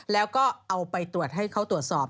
แล้วก็เอาไปตรวจให้เขาตรวจสอบ